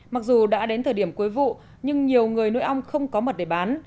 mặc dù đã đến thời điểm cuối vụ nhưng nhiều người nuôi ong không có mật để bán